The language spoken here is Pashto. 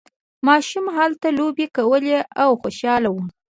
ماشومان هلته لوبې کولې او خوشحاله وو.